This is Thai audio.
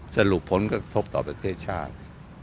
สรุปผลกระทบต่อประเทศชาติ